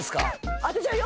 当てちゃうよ。